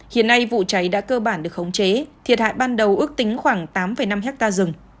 hiện nay vụ cháy đã cơ bản được khống chế thiệt hại ban đầu ước tính khoảng tám năm hectare rừng